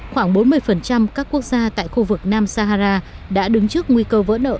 khoảng bốn mươi các quốc gia tại khu vực nam sahara đã đứng trước nguy cơ vỡ nợ